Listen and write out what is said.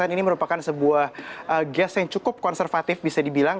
ini merupakan sebuah gas yang cukup konservatif bisa dibilang